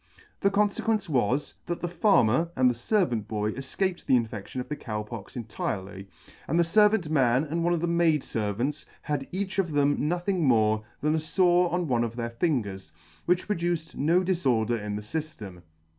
The con fequence was, that the Farmer and the fervant boy efcaped the infection of the Cow Pox entirely, and the fervant man and one of the maid fervants had each of them nothing more than a fore on one of their fingers, which produced no diforder in the fyftem.